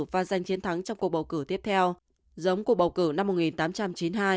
và giành chiến thắng trong cuộc bầu cử tiếp theo giống cuộc bầu cử năm một nghìn tám trăm chín mươi hai